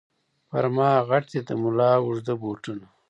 پر ما غټ دي د مُلا اوږده بوټونه